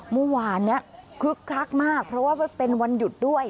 เมื่อวานนี้คึกคักมากเพราะว่าเป็นวันหยุดด้วย